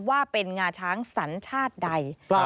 ว่าเป็นงาช้างสัญชาติใด